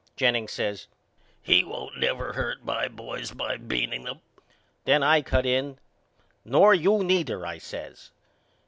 Jennings says He won't never hurt my boys by beaning them, Then I cut in. Nor you neither, I says.